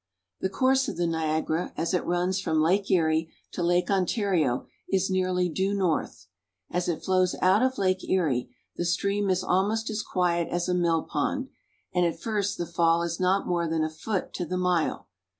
The course of the Niagara, as it runs from Lake Erie to Lake Ontario, is nearly due north. As it flows out of Lake Erie, the stream is almost as quiet as a mill pond, and at first the fall is not more than a foot to the mile.